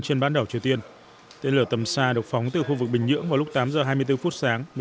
trên bán đảo triều tiên tên lửa tầm xa được phóng từ khu vực bình nhưỡng vào lúc tám giờ hai mươi bốn phút sáng